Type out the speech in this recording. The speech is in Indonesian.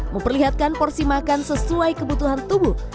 memperlihatkan porsi makan sesuai kebutuhan tubuh